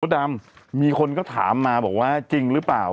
ดำมีคนก็ถามมาบอกว่าจริงหรือเปล่า